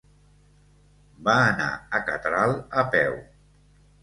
Va anar a Catral a peu.